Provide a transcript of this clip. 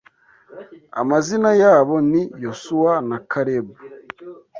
Amazina yabo ni Yosuwa na Kalebu